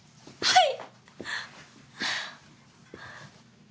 はい。